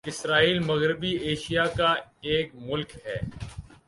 اسرائیل مغربی ایشیا کا ایک ملک ہے